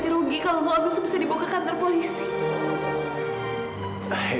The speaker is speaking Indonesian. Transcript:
ganti rugi kalau mau abis bisa dibuka kantor polisi